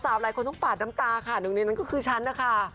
หลายคนต้องปาดน้ำตาค่ะหนึ่งในนั้นก็คือฉันนะคะ